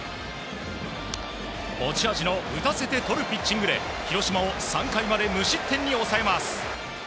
持ち味の打たせてとるピッチングで広島を３回まで無失点に抑えます。